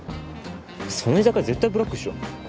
その居酒屋絶対ブラックっしょ。